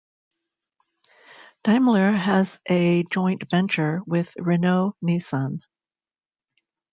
Daimler has a joint venture with Renault-Nissan.